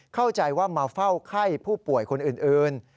เข้าใจว่ามาเฝ้าไข้ผู้ป่วยคนอื่น